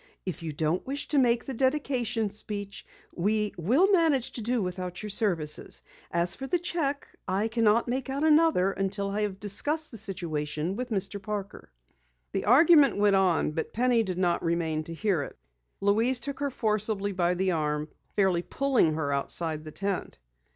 "If you don't wish to make the dedication speech, we will manage to do without your services. As for the cheque, I cannot make out another until I have discussed the situation with Mr. Parker." The argument went on, but Penny did not remain to hear it. Louise took her forcibly by the arm, fairly pulling her outside the tent.